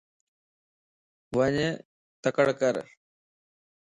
وڃ تڙڪَر